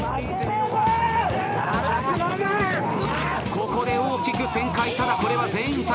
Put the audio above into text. ここで大きく旋回ただこれは全員耐えます。